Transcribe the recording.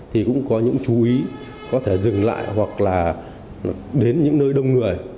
thì cũng có những chú ý có thể dừng lại hoặc là đến những nơi đông người